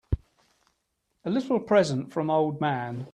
A little present from old man.